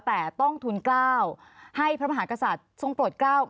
แต่ต้องทุนกล้าวให้พระมหากษัตริย์ทรงโปรดกล้า